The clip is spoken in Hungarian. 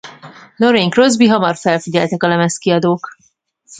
Lorraine Crosby hamar felfigyeltek a lemezkiadók.